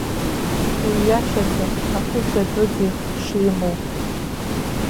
Иҩашьаӡом аԥышәа дугьы шимоу.